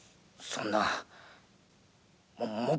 そんな。